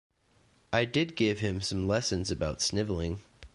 I did give him some lessons about snivelling.